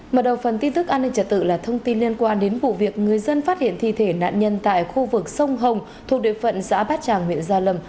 mở đầu phần tin tức an ninh trả tự là thông tin liên quan đến vụ việc người dân phát hiện thi thể nạn nhân tại khu vực sông hồng thuộc địa phận giã bát tràng huyện gia lâm